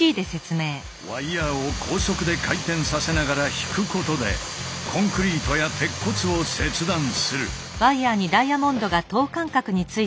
ワイヤーを高速で回転させながら引くことでコンクリートや鉄骨を切断する。